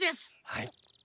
はい。